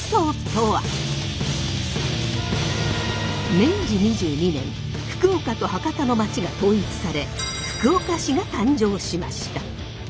明治２２年福岡と博多の町が統一され福岡市が誕生しました。